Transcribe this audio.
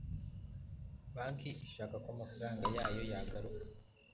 banki ishaka ko amafaranga yayo yagaruka